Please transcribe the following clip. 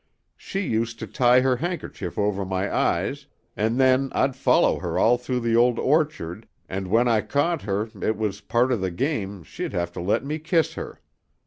"She used to tie her handkerchief over my eyes, 'n' then I'd follow her all through the old orchard, and when I caught her it was a part of the game she'd have to let me kiss her.